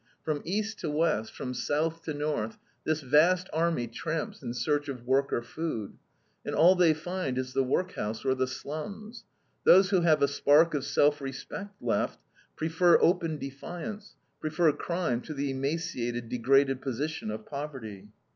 From East to West, from South to North, this vast army tramps in search of work or food, and all they find is the workhouse or the slums. Those who have a spark of self respect left, prefer open defiance, prefer crime to the emaciated, degraded position of poverty.